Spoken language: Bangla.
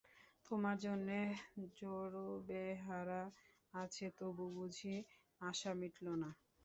তোমার জন্যে ঝড়ু বেহারা আছে, তবু বুঝি আশা মিটল না?